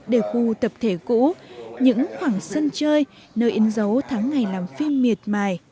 để khu tập thể cũ những khoảng sân chơi nơi in dấu tháng ngày làm phim miệt mài